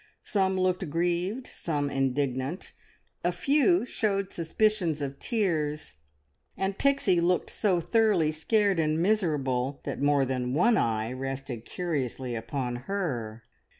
Some looked grieved, some indignant, a few showed suspicions of tears, and Pixie looked so thoroughly scared and miserable that more than one eye rested curiously upon her.